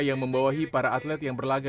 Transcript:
yang membawahi para atlet yang berlaga